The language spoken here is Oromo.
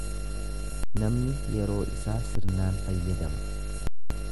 Namni yeroo isaa sirnaan fayyadama.